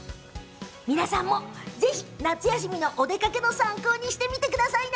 皆さんも、ぜひ夏休みのお出かけの参考にしてみてくださいね。